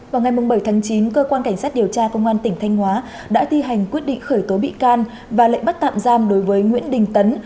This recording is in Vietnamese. vào ngày bảy tháng chín cơ quan cảnh sát điều tra công an tỉnh thanh hóa đã thi hành quyết định khởi tố bị can và lệnh bắt tạm giam đối với nguyễn đình tấn